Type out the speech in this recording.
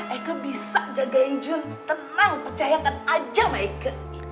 eike bisa jagain jun tenang percayakan aja sama eike